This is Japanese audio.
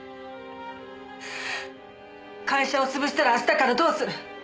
「会社を潰したら明日からどうする？」